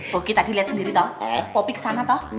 boki tadi liat sendiri toh kopi kesana toh